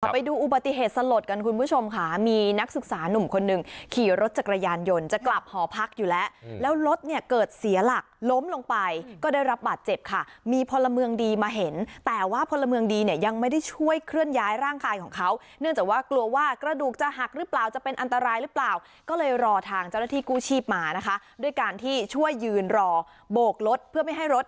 ไปดูอุบัติเหตุสลดกันคุณผู้ชมค่ะมีนักศึกษานุ่มคนหนึ่งขี่รถจักรยานยนต์จะกลับห่อพักอยู่แล้วแล้วรถเนี่ยเกิดเสียหลักล้มลงไปก็ได้รับบาดเจ็บค่ะมีพลเมืองดีมาเห็นแต่ว่าพลเมืองดีเนี่ยยังไม่ได้ช่วยเคลื่อนย้ายร่างกายของเขาเนื่องจากว่ากลัวว่ากระดูกจะหักหรือเปล่าจะเป็นอันตรายหรือ